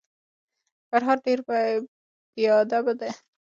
فرهان ډیر بیادبه دی.